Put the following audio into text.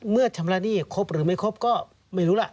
ชำระหนี้ครบหรือไม่ครบก็ไม่รู้ล่ะ